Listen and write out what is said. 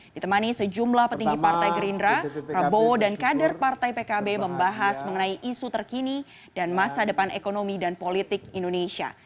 ditemani sejumlah petinggi partai gerindra prabowo dan kader partai pkb membahas mengenai isu terkini dan masa depan ekonomi dan politik indonesia